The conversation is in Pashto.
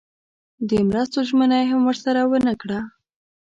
د مرستو ژمنه یې هم ورسره ونه کړه.